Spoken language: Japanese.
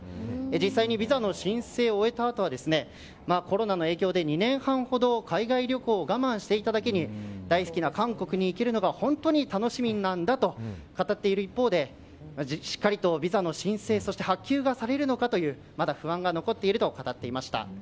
実際にビザの申請を終えたあとはコロナの影響で、２年半ほど海外旅行を我慢していただけに大好きな韓国に行けるのが本当に楽しみなんだと語っている一方でしっかりとビザの申請そして発給がされるのかという不安が残っていると語っていました。